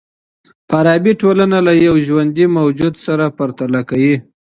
فارابي ټولنه له يوه ژوندي موجود سره پرتله کوي.